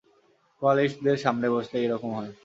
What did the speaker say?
কোয়ালিস্টদের সামনে বসলেই এরকম হয়।